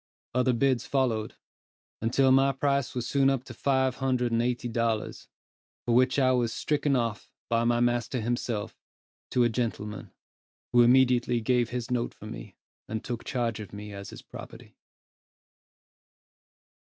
Other bids followed, until my price was soon up to five hundred and eighty dollars, for which I was stricken off, by my master himself, to a gentleman, who immediately gave his note for me, and took charge of me as his property.